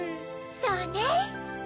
そうね。